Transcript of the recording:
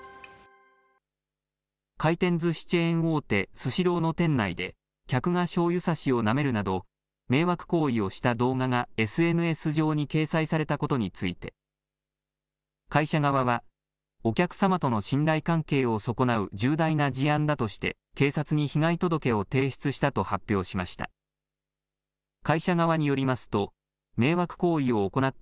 回転ずしチェーン大手、スシローの店内で、客がしょうゆさしをなめるなど、迷惑行為をした動画がＳＮＳ上に掲載されたことについて、会社側は、お客様との信頼関係を損なう重大な事案だとして、警察に被害届を提出したと発表しました。